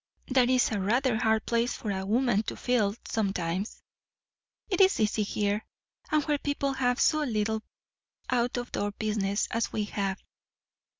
"That is a rather hard place for a woman to fill, sometimes." "It is easy here, and where people have so little out of door business as we have."